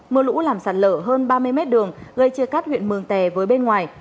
mưa lũ làm sạt lở hơn ba mươi m đường gây chia cắt huyện mương tè với bên ngoài